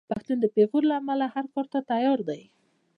پښتون د پېغور له امله هر کار ته تیار دی.